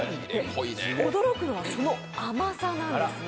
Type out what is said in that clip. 驚くのはその甘さなんです